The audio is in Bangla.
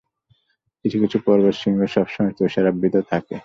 কিছু কিছু পর্বতশৃঙ্গ সবসময় তুষারাবৃত থাকে।